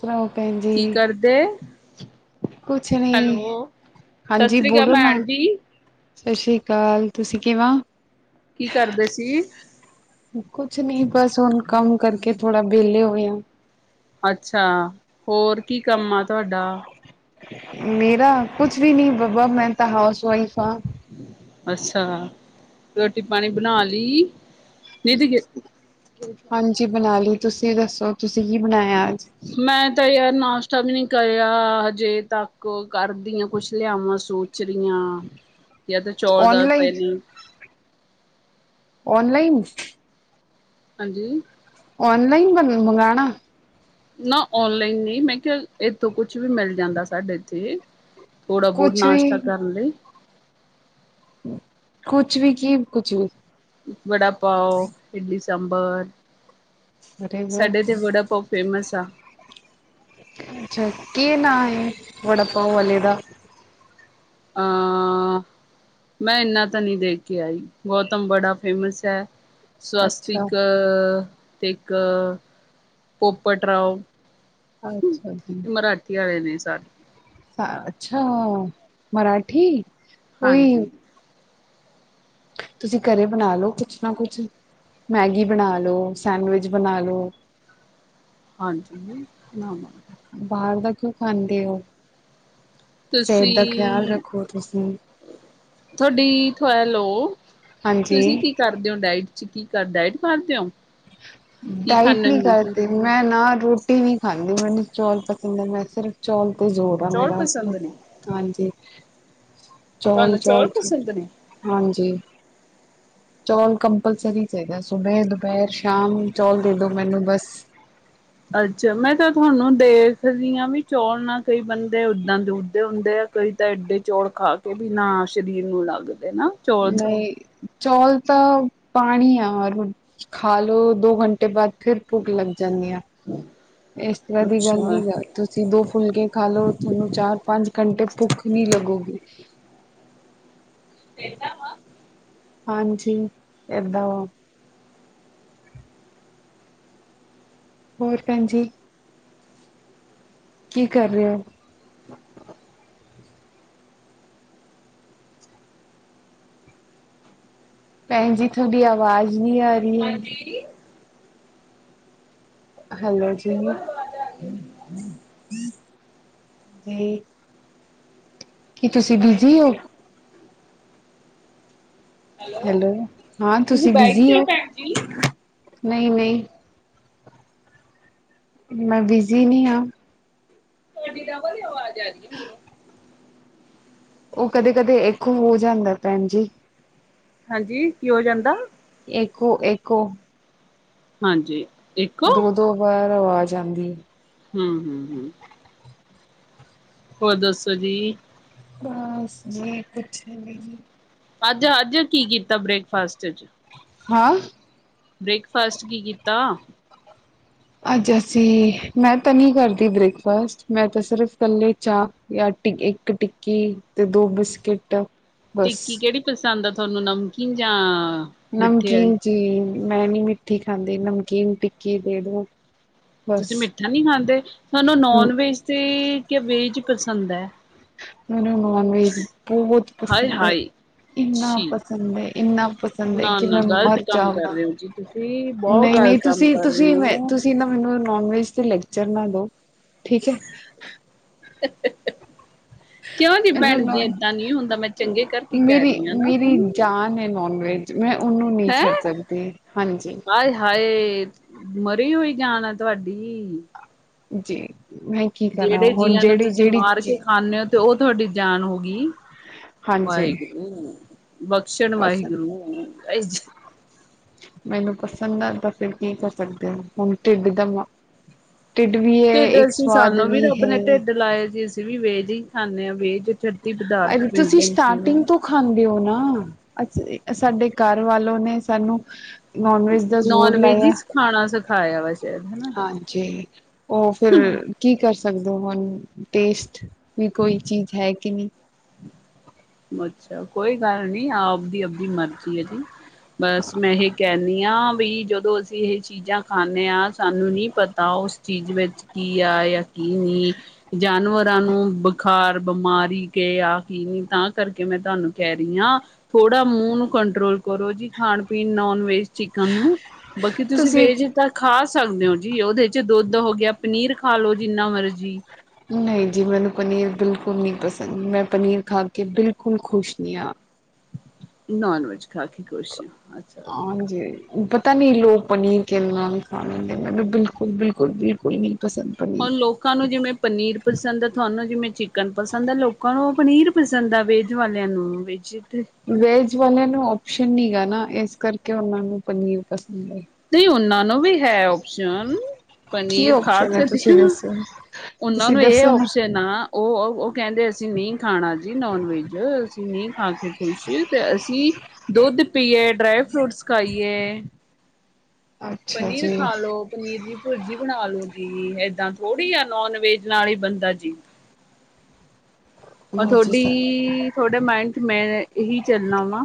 ਸੁਣਾਓ ਭੈਣ ਜੀ ਕੀ ਕਰਦੇ ਕੁਛ ਨੀ ਹੈਲੋ ਸਤਿ ਹਾਂਜੀ ਸ੍ਰੀ ਅਕਾਲ ਬੋਲੋ ਨਾ ਭੈਣ ਜੀ ਸਤਿ ਸ਼੍ਰੀ ਅਕਾਲ ਤੁਸੀਂ ਕਿਵੇਂ? ਕੀ ਕਰਦੇ ਸੀ? ਕੁਛ ਨਹੀਂ ਬਸ ਹੁਣ ਕੰਮ ਕਰਕੇ ਥੋੜਾ ਵਿਹਲੇ ਹੋਏ ਆਂ । [inaudible] ਅੱਛਾ ਹੋਰ ਕੀ ਕੰਮ ਆ ਤੁਹਾਡਾ? ਮੇਰਾ ਕੁਛ ਵੀ ਨਹੀਂ ਬਾਬਾ ਮੈਂ ਤਾਂ ਹਾਊਸ ਵਾਈਫ ਹਾਂ। ਅੱਛਾ ਰੋਟੀ ਪਾਣੀ ਬਣਾ ਲਈ। ਨਹੀਂ ਤੇ ਹਾਂਜੀ ਬਣਾ ਲਈ ਤੁਸੀਂ ਦੱਸੋ? ਤੁਸੀਂ ਕੀ ਬਣਾਇਆ ਅੱਜ ਮੈਂ ਤਾਂ ਯਾਰ ਨਾਸ਼ ਤਾ ਵੀ ਨੀ ਕਰਿਆ ਅਜੇ ਤੱਕ ਕਰਦੀਆਂ ਕੁਛ ਲਿਆਵਾਂ ਸੋਚ ਰਹੀਆਂ। ਤਾਂ ਚੌਲ ਦਾਲ ਔਨਲਾਈਨ ਪਹਿਲੀ ਔਨਲਾਈਨ ਹਾਂਜੀ। ਔਨਲਾਈਨ ਬ ਮੰਗਉਣਾ ਨਾ ਓਨਲਾਈਨ ਨਹੀਂ ਮੈਂ ਕਿਹਾ ਇੱਥੋਂ ਕੁਛ ਵੀ ਮਿਲ ਜਾਂਦਾ ਸਾਡੇ ਇੱਥੇ ਥੋੜਾ ਬਹੁਤ ਕੁਛ ਨਾਸ਼ਤਾ ਵੀ ਕਰਨ ਲਈ ਕੁਛ ਵੀ ਕੀ ਕੁਛ ਵੀ। ਵੜਾ ਪਾਓ ਸਾਂਬਰ ਅਰੇ ਵਾਹ ਸਾਡੇ ਇੱਥੇ ਵੜਾ ਪਾਓ ਫੇਮਸ ਆ ਅੱਛਾ ਕਿ ਨਾ ਵੜਾ ਪਾਅ ਵਾਲੇ ਦਾ। ਅਹ ਮੈਂ ਇੰਨਾ ਤਾਂ ਨਹੀਂ ਦੇਖ ਕੇ ਆਈ ਗੌਤਮ ਬੜਾ ਫੇਮਸ ਹੈ। ਅੱਛਾ ਸਵਸਤਿਕ ਇੱਕ-ਇੱਕ ਪੋਪਟ ਰਾਓ। ਅੱਛਾ ਜੀ ਮਰਾਠੀ ਵਾਲੇ ਨੇ ਸਾਰੇ ਅੱਛਾ। ਮਰਾਠੀ। ਉਹੀ ਹਾਂਜੀ। ਤੁਸੀਂ ਘਰੇ ਬਣਾ ਲਓ ਕੁਛ ਨਾ ਕੁਛ ਮੈਗੀ ਬਣਾ ਲਓ ਸੈਂਡਵਿਚ ਬਣਾ ਲਓ। ਹਾਂਜੀ। ਆ। ਬਾਹਰ ਦਾ ਖਾਂਦੇ ਹੋ। ਸਿਹਤ ਦਾ ਖਿਆਲ ਤੁਸੀਂ ਰੱਖੋ ਤੁਸੀਂ ਤੁਹਾਡੀ ਲੋ ਹਾਂਜੀ ਤੁਸੀਂ ਕੀ ਕਰਦੇ ਹੋ ਡਾਇਟ ਕੀ ਕਰਦਾ ਇਹ ਕਰਦੇਓ ਡਾਇਟ ਨਹੀਂ ਕਰਦੇ ਮੈਂ ਨਾ ਰੋਟੀ ਨਹੀਂ ਖਾਣੀ ਕਿੰ ਮੈਨੂੰ ਚੌਲ ਪਸੰਦ ਹੈ। ਮੈਂ ਸਿਰਫ ਚੌਲ ਜ਼ੋਰ ਆ ਚੌਲ ਮੇਰਾ, ਪਸੰਦ ਨੇ ਹਾਂਜੀ। [unintelligible] ਤੁਹਾਨੂੰ ਚੌਲ ਚੋਲ-ਚੋਲ ਪਸੰਦ ਨੇ ਹਾਂਜੀ। ਚੌਲ ਕੰਪਲਸਰੀ ਚਾਹੀਦਾ ਸੁਬੇ ਦੁਪਹਿਰ ਸ਼ਾਮ ਚੌਲ ਦੇ ਦੋ ਮੈਨੂੰ ਬਸ। ਅੱਛਾ ਮੈਂ ਤਾਂ ਤੁਹਾਨੂੰ ਦੇਖਦੀ ਹਾਂ ਵੀ ਚੌਲ ਨਾ ਕਈ ਬੰਦੇ [inaudible] ਦਾਂ ਦਦੇ ਹੁੰਦੇ ਆ ਤੁਸੀ ਤਾਂ ਏਡੇ ਚੌਲ ਖਾ ਕੇ ਵੀ ਨਾ ਸਰੀਰ ਨੂੰ ਲੱਗ ਨਹੀਂ ਚੌਲ। ਤਾਂ ਪਾਣੀ ਹੈ ਔਰ ਖਾ ਲੋ ਦੋ ਘੰਟੇ ਬਾਅਦ ਫਿਰ ਭੁੱਖ ਲੱਗ ਜਾਂਣੀ ਆ। ਇਸ ਤਰ੍ਹਾਂ ਦੀ ਗੱਲ ਨ ਅੱਛਾ। ਹੈ ਤੁਸੀਂ ਦੋ ਫੁਲਕੇ ਖਾ ਲਓ ਤੁਹਾਨੂੰ ਚਾਰ ਪੰਜ ਘੰਟੇ ਭੁੱਖ ਨਹੀਂ ਲੱਗੁਗੀ। [unintelligible] ਇਦਾ ਵਾ ਹਾਂਜੀ ਏਦਾਂ ਵ ਹੋਰ ਭਣਜੀ ਕੀ ਕਰ ਰਹੇ ਹੋ? ਭੈਣਜੀ ਤੁਹਾਡੀ ਆਵਾਜ਼ ਨੀ ਆ ਰਹੀ ਹਾਂਜੀ ਜੀ ਏ, ਹੈਲੋ ਤੁਹਾਡੀ ਜੀ, ਡਬਲ ਆਵਾਜ਼ ਆ ਰਹੀ ਹੈ ਤੇ, ਕੀ ਤੁਸੀਂ ਬਿਜੀ ਹੋ? ਹੈਲੋ ਹਾਂ ਤੁਸੀਂ ਬਾਈਕ ਬਿਜੀ ਤੇ ਹੋ? ਭੈਣ ਜੀ ਨਹੀਂ ਨਹੀਂ, ਮੈਂ ਬਿਜ਼ੀ ਨਹੀਂ ਹਾ, ਤੁਹਾਡੀ ਡਬਲ ਆਵਾਜ ਆ ਰਹੀ ਏ ਮੈਨੂੰ, ਉਹ ਕਦੇ ਕਦੇ ਇੱਕੋ ਹੋ ਜਾਂਦਾ ਭੈਣ ਜੀ, ਹਾਂਜੀ ਕੀ ਹੋ ਜਾਂਦਾ, ਇੱਕੋ ਇੱਕੋ ਹਾਂਜੀ, ਇੱਕੋ ਦੋ ਦੋ ਵਾਰ ਆਵਾਜ਼, ਜਾਂਦੀ, ਹੂੰ ਹੂੰ ਹੂੰ, ਹੋਰ ਦੱਸੋ ਜੀ, ਬਸ ਜੀ ਕੁਛ ਨਹੀਂ, ਅੱਜ ਅੱਜ ਕੀ ਕੀਤਾ ਬ੍ਰੇਕਫਾਸਟ ਚ ਹਾਂ, ਬ੍ਰੇਕਫਾਸਟ ਕੀ ਕੀਤਾ। ਅੱਜ ਅਸੀਂ ਮੈਂ ਤਾਂ ਨੀ ਕਰਦੀ ਬ੍ਰੇਕਫਾਸਟ ਮੈਂ ਤਾਂ ਸਿਰਫ਼ ਇਕੱਲੇ ਚਾਹ ਜਾਂ ਇੱਕ ਟਿੱਕੀ ਤੇ ਦੋ ਬਿਸਕਿਟ ਬਸ ਟਿੱਕੀ ਕਿਹੜੀ ਪਸੰਦ ਆ। ਸਾਨੂੰ ਨਮਕੀਨ ਜਾ ਨਮਕੀਨ ਜੀ ਮੈਂ ਨੀ ਮਿੱਠੀ ਖਾਂਦੀ ਨਮਕੀਨ ਟ [unintelligible] ਤੁਸੀਂ ਮਿੱਠਾ ਨਹੀਂ ਖਾਂਦੇ ਤੁਹਾਨੂੰ ਨੋਨ ਵੈਜ ਤੇ ਕ ਵੇਜ ਪਸੰਦ ਹੈ। ਮੈਨੂੰ ਨੋਨ ਵੈਜ ਬਹੁਤ ਪਸੰਦ ਹੈ ਹਾਏ-ਹਾਏ ਇਨਾ ਛੀ ਪਸੰਦ ਹੈ ਇੰਨਾ ਪਸੰਦ ਹੈ ਕਿ ਨਾ-ਨਾ ਮੈਂ ਗ਼ਲਤ ਮਰ ਕੰਮ ਕਰ ਜਾਵਾਂ। ਰਹੇ ਹੋ ਜੀ ਤੁਸੀਂ ਬਹੁਤ ਨਹੀਂ ਨਹੀਂ ਗ਼ਲਤ ਕੰਮ ਤੁਸੀਂ ਕਰ ਰਹੇ ਤੁਸੀਂ ਮੈਂ ਹੋ। ਤੁਸੀਂ ਨਾ ਮੈਨੂੰ ਨੋਨ ਵੈਜ ਤੇ ਲੈ, ਲੈਕਚਰ ਨਾ ੋ, ਠੀਕ ਹੈ, ਕਿਉਂ ਜੀ ਭੈਣ ਜੀ ਏਦਾਂ ਨਹੀਂ ਹੁੰਦਾ ਮੈਂ ਚੰਗੇ ਕਰਕੇ ਕਹਿ ਮੇਰੀ ਰਹੀ ਹਾਂ ਨਾ ਮੇਰੀ ਤੁਹਾਨੂੰ। ਜਾਨ ਹੈ ਨੋਨ ਵੈਜ ਮੈਂ ਉਹਨੂੰ ਨਹੀਂ ਹੈਂ ਛੱਡ ਸਕਦੀ ਹਾਂਜੀ। ਹਾਏ-ਹਾਏ ਮਰੀ ਹੋਈ ਜਾਨ ਆ ਤੁਹਾਡੀ ਜੀ। ਮੈਂ ਕੀ ਕਰਾਂ ਜਿਹੜੇ ਹੁਣ ਜੀਆਂ ਨੂੰ ਜਿਹੜੀ ਤੁਸੀਂ ਜਿਹੜੀ ਮਾਰ ਕੇ ਚੀ ਖਾਂਦੇ ਹੋ ਤੇ ਉਹ ਤੁਹਾਡੀ ਜਾਨ ਹੋ। ਗੀ। ਹਾਂਜੀ ਵਾਹਿਗੁਰੂ। ਬਖਸ਼ਣ ਪਸੰਦ ਵਾਹਿਗੁਰੂ। [inaudible] ਮੈਨੂੰ ਪਸੰਦ ਆ ਤਾਂ ਫਿਰ ਕੀ ਕਰ ਸਕਦੇ ਹੋ ਹੁਣ ਢਿੱਡ ਦਾ ਮਾ ਢਿੱਡ ਵੀ ਹੈ ਢਿੱਡ ਇੱਕ ਅਸੀਂ ਸਵਾਦ ਸਾਨੂੰ ਵੀ ਹੈ। ਅਸੀਂ ਵੀ ਵੇ ਜੀ। ਖਾਂਦੇ ਹਾਂ ਵੇਜ ਛੱਤੀ ਪਦਾਰਥ ਤੁਸੀਂ ਮਿਲਦੇ ਨੇ ਸਟਾਰਟਿੰਗ ਸਾਨੂੰ ਤੋਂ ਖਾਂਦੇ ਹੋ ਨਾ ਅ ਸਾਡੇ ਘਰ ਵੱਲ ਉਹਨੇ ਸਾਨੂੰ ਨੋਨ ਵੈਜ ਦਾ ਨੋਨ ਜ਼ੋਰ ਵੈਜ ਹੀ ਲਾਇਆ ਸਿਖਾਣਾ ਸਿਖਾਇਆ ਵਾ ਸ਼ਾਇਦ। ਹਨਾ ਹਾਂਜੀ। ਉਹ ਫਿਰ ਕੀ ਕਰ ਸ ਸਕਦੇ ਹੁਣ ਟੇਸਟ ਵੀ ਕੋਈ ਚੀਜ਼ ਹੈ ਕਿ ਨਹੀਂ। ਅੱਛਾ ਕੋਈ ਗੱਲ ਨੀ ਆਪਦੀ -ਆਪਦੀ ਮਰਜ਼ੀ ਹੈ ਜੀ ਬਸ ਮੈਂ ਇਹ ਕਹਿੰਦੀ ਹਾਂ ਵੀ ਜਦੋਂ ਅਸੀਂ ਇਹ ਚੀਜ਼ਾਂ ਖਾਂਦੇ ਹਾਂ ਸਾਨੂੰ ਨੀ ਪਤਾ ਉਸ ਚੀਜ਼ ਵਿੱਚ ਕੀ ਆ ਜਾਂ ਕੀ ਨੀ ਜਾਨਵਰਾਂ ਨੂੰ ਬੁਖਾਰ ਬਿਮਾਰੀ ਕੇ ਆ ਕੀ ਨਹੀਂ ਤਾਂ ਕਰਕੇ ਮੈਂ ਤੁਹਾਨੂੰ ਕਹਿ ਰਹੀ ਹਾਂ ਥੋੜਾ ਮੂੰਹ ਨੂੰ ਕੰਟਰੋਲ ਕਰੋ ਜੀ, ਖਾਣ ਪੀਣ ਨੋਨ ਵੇਜ ਚਿਕਨ ਨੂੰ ਬਾਕੀ ਤੁਸੀਂ ਵੇਚ ਤਾਂ ਖਾ ਸਕਦੇ ਹੋ ਜੀ ਉਹਦੇ ਚ ਦੁੱਧ ਹੋ ਗਿਆ ਪਨੀਰ ਖਾ ਲੋ ਜਿੰਨਾ ਮਰਜ਼ੀ। ਨਹੀਂ ਜੀ ਮੈਨੂੰ ਪਨੀਰ ਬਿਲਕੁਲ ਨਹੀਂ ਪਸੰਦ, ਮੈਂ ਪਨੀਰ ਖਾ ਕੇ ਬਿਲਕੁਲ ਖ਼ੁਸ਼ ਨਹੀਂ ਹਾਂ। ਨੋਨ ਵੈਜ ਖਾ ਕੇ ਖੁਸ਼ ਆਂ। ਹਾਂਜੀ ਪ ਤਾਂ ਨਹੀਂ ਲੋਕ ਪਨੀਰ ਕੇਨਾ ਖਾ ਲੈਂਦੇ ਮੈਨੂੰ ਬਿਲਕੁਲ- ਬਿਲਕੁਲ- ਬਿਲਕੁਲ ਨਹੀਂ। ਪਸੰਦ ਪਨੀਰ ਹੁਣ ਲੋਕਾਂ ਨੂੰ ਜਿਵੇਂ ਪਨੀਰ ਪਸੰਦ ਹੈ ਤੁਹਾਨੂੰ ਜਿਵੇਂ ਚਿਕਨ ਪਸੰਦ ਆ ਲੋਕਾਂ ਨੂੰ ਪਨੀਰ ਪਸੰਦ ਆ ਵੇਜ ਵਾਲਿਆਂ ਨੂੰ ਵੇਜ ਵੇਜ ਵਾਲਿਆਂ ਨੂੰ ਓਪਸ਼ ਨ ਨੀਗਾ ਨਾ ਇਸ ਕਰਕੇ ਉਹਨਾਂ ਨੂੰ ਪਨੀਰ ਪਸ ਤੇ ਉਹਨਾਂ ਨੂੰ ਵੀ ਹੈ ਓਪਸ਼ਨ ਕੀ ਪਨੀਰ ਖਾ ਓਪਸ਼ਨ ਹੈ ਸਕਦੇ ਤੁਸੀਂ ਆ। ਦੱਸੋ ਹੁੰਦਾ ਤੁਸੀਂ ਉਹਨੂੰ ਇਹ ਦੱਸੋ ਨਾ ਓਪਸ਼ਨ ਆ ਉਹ ਉਹ ਕਹਿੰਦੇ ਅਸੀਂ ਨਹੀਂ ਖਾਣਾ ਜੀ ਨੋਨ ਵੈਜ ਅਸੀਂ ਨਹੀਂ ਖਾ ਕੇ ਖੁਸ਼, ਤੇ ਅਸੀਂ ਦੁੱਧ ਪੀਏ ਡਰਾਈ ਫਰੂਟਸ ਖਾਈਏ। [unintelligible] ਅੱਛਾ ਪਨੀਰ ਜੀ ਖਾ ਲੋੋ ਪਨੀਰ ਦੀ ਭੁਰਜੀ ਬਣਾ ਲੋੋ ਜੀ। ਏਦਾਂ ਥੋੜੀ ਆ ਨੋਨ ਵੇਜ ਨਾਲ ਹੀ ਬੰਦਾ ਜੀ, ਔ ਹਾਂਜੀ ਸਰ ਤੁਹਾਡੀ ਤੁਹਾਡੇ ਮਾਇੰਡ ਚ ਮੈਂ ਇਹੀ ਚੱਲਣਾ ਵਾ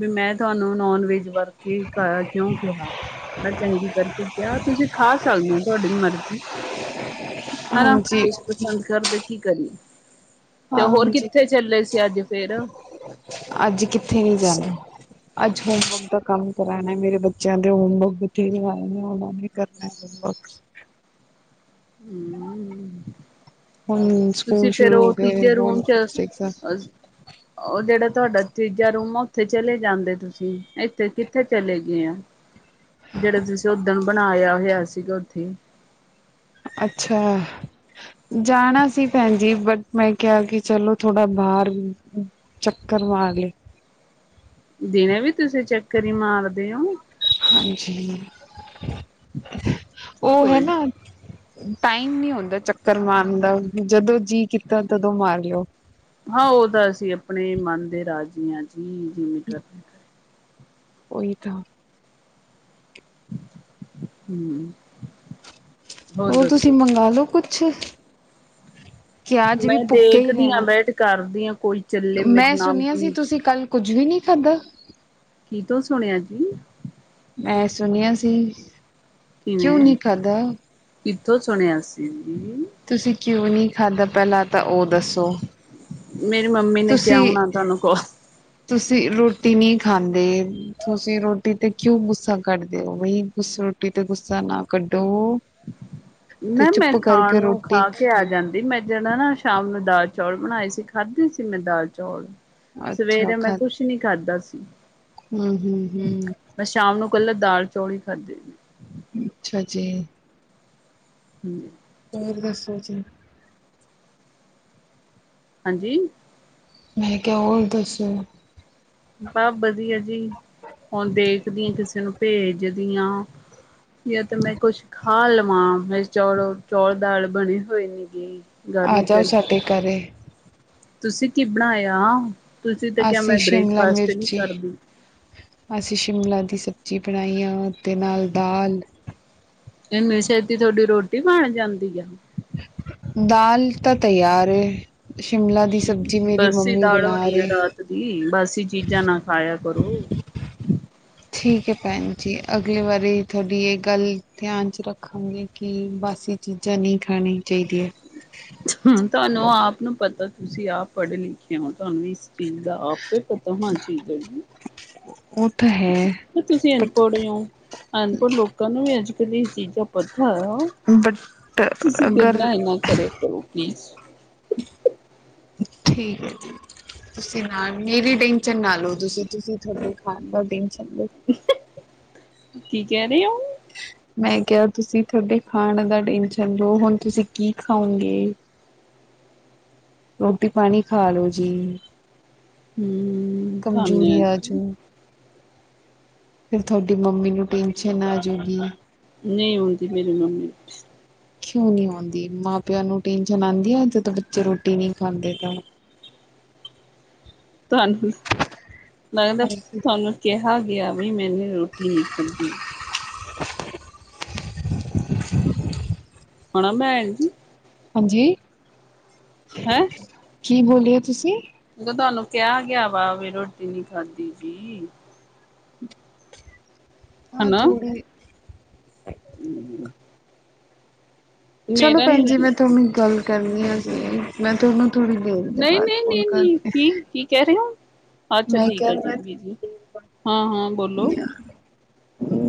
ਵੀ ਮੈਂ ਤੁਹਾਨੂੰ ਨੋਨ ਵੇਜ ਵਰ ਕੇ ਕਰ ਕਿਉਂ ਕਿਹਨਾ ਮੈਂ ਚੰਗੀ ਕਰਕੇ ਕਿਹਾ ਤੁਸੀਂ ਖਾ ਸਕਦੇ ਹੋ ਤੁਹਾਡੀ ਮਰਜ਼ੀ ਹਨਾ ਹਾਂਜੀ ਤੁਸੀਂ ਪਸੰਦ ਕਰਦੇ ਕੀ ਕਰੀਏ। ਤੇ ਹੋਰ ਹਾਂਜੀ ਕਿੱਥੇ ਚੱਲੇ ਸੀ ਅੱਜ ਫੇਰ। ਹੂੰ ਅੱਜ ਕਿੱਥੇ ਨੀ ਜਾਣਾ ਅੱਜ ਹੋਮਵਰਕ ਦਾ ਕੰਮ ਕਰਾਣੇ ਮੇਰੇ ਬੱਚਿਆਂ ਦੇ ਹੋਮਵਰਕ ਵਥੇਰੇ ਆਏ ਨੇ ਉਹਨਾਂ ਨੇ ਕਰਨਾ ਹੋਮਵਰਕ ਹਾਂ, ਤੁਸੀਂ ਫੇਰ ਉਹ ਤੀਜੇ ਰੂਮ ਚ ਉਹ ਜਿਹੜਾ ਤੁਹਾਡਾ ਤੀਜਾ ਰੂਮ ਆ ਉੱਥੇ ਚਲੇ ਜਾਂਦੇ ਤੁਸੀਂ ਇੱਥੇ ਕਿੱਥੇ ਚਲੇ ਗਏ ਆ ਜਿਹੜੇ ਤੁਸੀਂ ਓਦਣ ਬਣਾਇਆ ਹੋਇਆ ਸੀਗਾ ਉੱਥੇ। ਅੱਛਾ ਜਾਣਾ ਸੀ ਭੈਣ ਜੀ ਬਟ ਮੈਂ ਕਿਹਾ ਕਿ ਚਲੋ ਥੋੜਾ ਬਾਹਰ ਚੱਕਰ ਮਾਰ ਲਏ, ਦਿਨੇ ਵੀ ਤੁਸੀਂ ਚੱਕਰ ਹੀ ਮਾਰਦੇ ਹੋ ਹਾਂਜੀ ਉਹ ਹੈ ਕੋਈ ਨੀ। ਨਾ ਟਾਈਮ ਨੀ ਹੁੰਦਾ ਚੱਕਰ ਮਾਰਨ ਦਾ ਜਦੋਂ ਜੀਅ ਕੀਤਾ ਤਦੋਂ ਮਾਰ ਲਓ। ਹਾਂ ਉਹ ਤਾਂ ਅਸੀਂ ਆਪਣੇ ਮਨ ਦੇ ਰਾਜੀਆਂ ਚ ਜੀ ਜੀ ਮੈਂ ਕਰ, ਉਹੀ ਤਾਂ ਹੂੰ, ਉਹ ਤੁਸੀਂ ਮੰਗਾਲੋ ਕੁਛ ਅੱਛੇ, ਕਿਆ ਅੱਜ ਵੀ ਮੈਂ ਪੁੱਕੇ ਹੀ ਦੇਖਦੀ ਹਾਂ ਰਹਿਣਾ ਬੈਠ ਕਰਦੀ ਹਾਂ ਕੋਈ ਚੱਲੇ ਮੈਂ ਮੇਰੇ ਨਾਮ ਸੁਣਿਆ ਸੀ ਤਮੀਜ਼ ਤੁਸੀਂ ਕੱਲ ਕੁੱਝ ਵੀ ਨਹੀਂ ਖਾਧਾ ਕੀ ਤੂੰ ਸੁਣਿਆ ਜੀ, ਮੈ ਸੁਣਿਆ ਸੀ। ਕਿਉਂ ਕਿਵੇਂ ਨੀ ਖਾਦਾ। ਕਿੱਥੋਂ ਸੁਣਿਆ ਸੀ ਜੀ ਤੁਸੀਂ ਕਿਉਂ ਨਹੀਂ ਖਾਧਾ ਪਹਿਲਾਂ, ਤਾਂ ਉਹ ਦੱਸੋ? ਮੇਰੀ ਮੰਮੀ ਨੇ ਕਿਹਾ ਤੁਸੀਂ ਹੋਣਾ ਤੁਹਾਨੂੰ ਕੋਲ ਤੁਸੀਂ ਰੋਟੀ ਨੀ, ਖਾਂਦੇ ਤੁਸੀਂ ਰੋਟੀ ਤੇ ਕਿਉਂ ਗੁੱਸਾ ਕੱਢਦੇ ਔ ਬਈ ਗੁੱਸ ਰੋਟੀ ਤੇ ਗੁੱਸਾ ਨਾ ਕੱਢੋ ਤੇ ਨਾ ਮੈਂ ਚੁੱਪ ਖਾਣ ਕਰਕੇ ਨੂੰ ਰੋਟੀ ਖਾ ਕੇ ਆ ਜਾਂਦੀ ਮੈਂ ਜਿਹੜਾ ਨਾ, ਸ਼ਾਮ ਨੂੰ ਦਾਲ ਚੌਲ ਬਣਾਏ ਸੀ ਖਾਧੇ ਸੀ ਮੈਂ ਦਾਲ ਚੌਲ, ਅੱਛਾ ਸਵੇਰੇ ਮੈਂ ਖਾ ਕੁਛ ਨੀ ਖਾਦਾ ਸੀ ਹੂੰ ਹੂੰ ਹੂੰ ਮੈਂ ਸ਼ਾਮ ਨੂੰ ਕੱਲਾ ਦਾਲ ਚੌਲ ਈ ਖਾਧੇ ਨੇ, ਅੱਛਾ ਜੀ। ਹੂੰ। ਹੋਰ ਦੱਸੋ ਜੀ? ਹਾਂਜੀ। ਮੈਂ ਕਿਹਾ ਹੋਰ ਦੱਸੋ? ਬਸ ਵਧੀਆ ਜੀ ਹੁਣ ਦੇਖ? ਦੇਖਦੀ ਆ ਕਿਸੇ ਨੂੰ ਭੇਜਦੀਆਂ ਜਾਂ ਤੇ ਮੈਂ ਕੁਛ ਖਾ ਲਵਾਂ ਮੈਂ ਚੌਲ ਚੌਲ ਦਾਲ ਬਣੇ ਹੋਏ ਨੇ ਗੇ। ਆ ਜਾੳ ਸਾਡੇ ਘਰੇ? ਤੁਸੀਂ ਕੀ ਬਣਾਇਆ? ਤੁਸੀਂ ਤਾਂ ਕਿਹਾ ਅਸੀਂ ਮੈਂ ਸ਼ਿਮਲਾ ਬ੍ਰੇਕਫਾਸਟ ਨਹੀਂ ਮਿਰਚੀ ਕਰਦੀ ਅਸੀਂ ਸ਼ਿਮਲਾ ਦੀ । ਸਬਜ਼ੀ ਬਣਾਈਆਂ ਤੇ ਨਾਲ ਦਾਲ। ਐਨੀ ਛੇਤੀ ਤੁਹਾਡੀ ਰੋਟੀ ਬਣ ਜਾਂਦੀ ਆ? ਦਾਲ ਤਾਂ ਤਿਆਰ ਹੈ? ਹੂੰ ਬਾਸੀ ਦਾਲ ਹੋਣੀ ਆ ਰਹੇ ਰਾਤ ਦੀ ਬਸੀ ਚੀਜ਼ਾਂ ਨਾ ਖਾਇਆ ਕਰੋ? ਠੀਕ ਹੈ ਭੈਣ ਜੀ ਅਗਲੀ ਵਾਰੀ ਤੁਹਾਡੀ ਇਹ ਗੱਲ ਹੀ ਧਿਆਨ 'ਚ ਰੱਖਾਂਗੇ ਕਿ ਬਾਸੀ ਚੀਜ਼ਾਂ ਨਹੀਂ ਖਾਣੀ ਚਾਹੀਦੀਆਂ। ਮੈਨੂੰ ਪਤਾ ਤੁਸੀਂ ਆਪ ਪੜ੍ਹੇ ਲਿਖੇ ਹੋ ਤੁਹਾਨੂੰ ਇਸ ਚੀਜ਼ ਦਾ ਆਪ ਹੀ ਪਤਾ ਹੋਣਾ ਚਾਹੀਦਾ ਹੈ ਜੀ? ਉਹ ਤਾਂ ਹੈ ਤੁਸੀਂ ਬਟ ਅਨਪੜ੍ਹ ਹੋ ਅਨਪੜ੍ਹ ਲੋਕਾਂ ਨੂੰ ਵੀ ਅੱਜ। ਇਹੋ ਦੀਆਂ ਚੀਜ਼ਾਂ ਪਤਾ? ਹਾਂ ਬਟ ਤੁਸੀਂ ਮੇਰੇ ਅਗਰ ਨਾਲ ਐ ਨਾ ਕਰਿਆ ਕਰੋ ਪਲੀਜ਼। ਠੀਕ ਹੈ ਜੀ ਤੁਸੀਂ ਨਾ ਮੇਰੀ ਟੈਨਸ਼ਨ ਨਾ ਲਓ ਤੁਸੀਂ ਤੁਸੀਂ ਤੁਹਾਡੇ ਖਾਣ ਦਾ ਦਿਨ ਚ ਕੀ ਕਹਿ ਰਹੇ ਹੋ? ਮੈਂ ਕਿਹਾ ਤੁਸੀਂ ਤੁਹਾਡੇ ਖਾਣ ਦਾ ਟੈਂਸ਼ਨ ਰਹੋ ਹੁਣ ਤੁਸੀਂ ਕੀ ਖਾਓਗੇ ਰੋਟੀ ਪਾਣੀ ਖਾ ਲੋ ਜੀ। ਹਮ ਕਮਜ਼ੋਰੀ ਧੰਨਿਆ ਜੀ ਆਜੂ। ਫਿਰ ਤੁਹਾਡੀ ਮੰਮੀ ਨੂੰ ਟੈਨਸ਼ਨ ਆਜੂਗੀ? ਨਹੀਂ ਆਉਂਦੀ ਮੇਰੀ ਮੰਮੀ ਵਿੱਚ। ਕਿਉਂ ਨਹੀਂ ਆਉਂਦੀ ਮਾਂ ਪਿਓ ਨੂੰ ਟੈਨਸ਼ਨ ਆਂਦੀ ਆ ਜਦੋਂ ਬੱਚੇ ਰੋਟੀ ਨਹੀਂ ਖਾਂਦੇ ਤਾਂ? ਤੁਹਾਨੂੰ ਲੱਗਦਾ ਹਾਂਜੀ ਤੁਹਾਨੂੰ ਕਿਹਾ? ਕਿਹਾ ਗਿਆ ਬਈ ਮੈਂ ਵੀ ਰੋਟੀ ਨਹੀਂ ਖਾਦੀ। [inaudible] ਹਨਾ ਭੈਣ ਜੀ। ਹਾਂਜੀ। [unintelligible] ਕੀ ਬੋਲੇ ਹੋ ਤੁਸੀਂ? ਜਦੋਂ ਤੁਹਾਨੂੰ ਕਿਹਾ ਗਿਆ ਵਾ ਵੀ ਰੋਟੀ ਨੀ ਖਾਧੀ ਜੀ? ਹਾਂ ਥੋੜੀ। ਹੂੰ। ਚਲੋ ਭੈਣ ਜੀ ਮੈਂ ਤੁਹਾਨੂੰ ਗੱਲ ਕਰਨੀਆਂ ਸੀ ਮੈਂ ਤਾਂ ਉਹਣ ਨਹੀਂ ਨਹੀਂ ਨਹੀਂ ਨਹੀਂ ਕੀ ਕੀ ਕਹਿ ਰਹੇ ਹੋ ਅੱਛਾ ਮੈਂ ਠੀਕ ਕਿਹਾ ਹੈ ਜੀ ਮੈਂ ਜੀ ਹਾਂ ਹਾਂ ਬੋਲੋ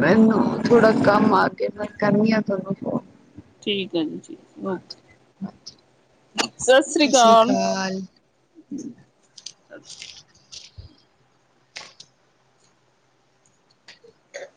ਮੈਨੂੰ ਥੋੜਾ ਕੰਮ ਆ ਕੇ ਮੈਂ ਕਰਨੀ ਆ ਤੁਹਾਨੂੰ ਫੋਨ ਠੀਕ ਹੈ ਜੀ ਜੀ ਓਕੇ ਸਤਿ ਸ੍ਰੀ ਅਕਾਲ ਹਮ ਅੱਛਾ